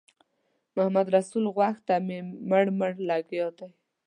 محمدرسول غوږ ته مې مړ مړ لګیا دی.